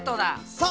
そう！